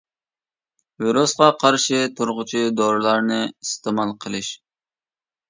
ۋىرۇسقا قارشى تۇرغۇچى دورىلارنى ئىستېمال قىلىش.